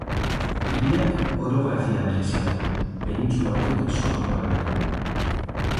Hiriak orografia berezia du, penintsula batetik sortua baita.